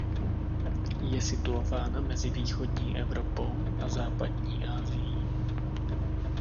Je situována mezi východní Evropou a západní Asií.